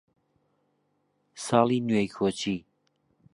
ساڵی نوێی کۆچی